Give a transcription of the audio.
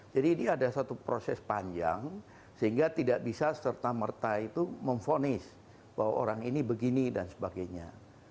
jadi ini ada satu proses panjang sehingga tidak bisa serta merta itu memfonis bahwa orang ini begini dan sebagainya